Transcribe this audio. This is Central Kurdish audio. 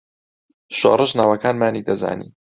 شۆڕش ناوەکانمانی دەزانی.